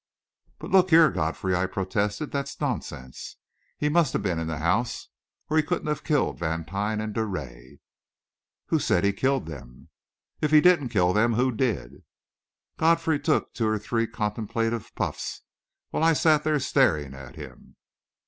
"But, look here, Godfrey," I protested, "that's nonsense. He must have been in the house, or he couldn't have killed Vantine and Drouet." "Who said he killed them?" "If he didn't kill them, who did?" Godfrey took two or three contemplative puffs, while I sat there staring at him.